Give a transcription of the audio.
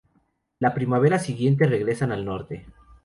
La primavera siguiente regresan al norte.